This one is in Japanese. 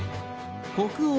北欧